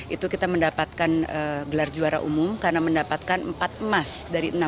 itu kita mendapatkan gelar juara umum karena mendapatkan empat emas dari enam